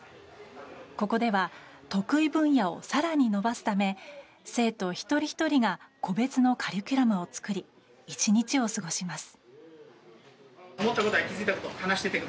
ここでは、得意分野を更に伸ばすため生徒一人ひとりが個別のカリキュラムを作り１日を過ごします。